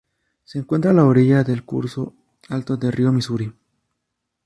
Se encuentra a la orilla del curso alto del río Misuri.